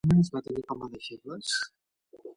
A quines persones va tenir com a deixebles?